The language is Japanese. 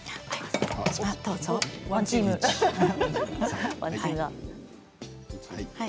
ワンチームだ。